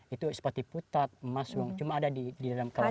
itu seperti putat emas cuma ada di dalam kawasan